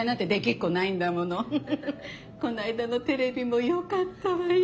こないだのテレビもよかったわよ。